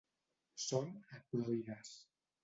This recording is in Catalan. Són haploides.